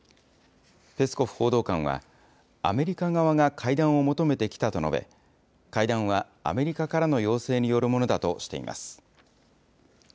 ペスコフ報道官は、アメリカ側が会談を求めてきたと述べ、会談はアメリカからの要請によるものだとしています。